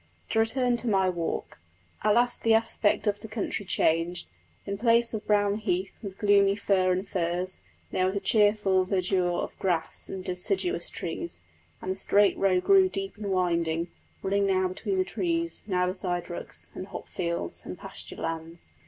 To return to my walk. At last the aspect of the country changed: in place of brown heath, with gloomy fir and furze, there was cheerful verdure of grass and deciduous trees, and the straight road grew deep and winding, running now between hills, now beside woods, and hop fields, and pasture lands.